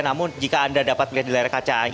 namun jika anda dapat melihat di layar kaca